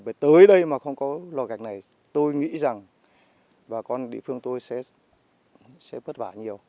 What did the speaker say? bởi tới đây mà không có lò gạch này tôi nghĩ rằng bà con địa phương tôi sẽ vất vả nhiều